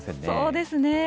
そうですね。